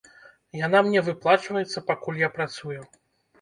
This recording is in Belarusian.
Яна мне выплачваецца, пакуль я працую.